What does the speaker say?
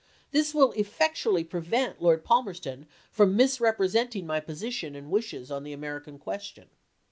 This will effectually prevent Lord Palmerston from misrepresenting my position and wishes on the American question."